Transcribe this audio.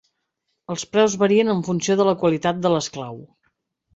Els preus varien en funció de la qualitat de l'esclau.